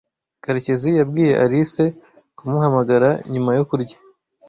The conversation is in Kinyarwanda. Karekezi yabwiye Alice kumuhamagara nyuma yo kurya.